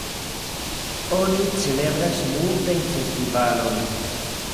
Oni celebras multajn festivalojn.